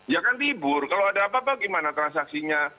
ya kan tibur kalau ada apa apa bagaimana transaksinya